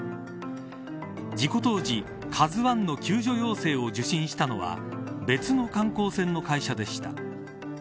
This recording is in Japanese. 事故当時、ＫＡＺＵ１の救助要請を受信したのは別の観光船の会社でした。